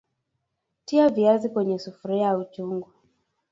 tia viazi kwenye sufuri au chungu